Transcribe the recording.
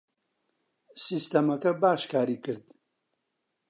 سیستەمەکە باش کاری کرد.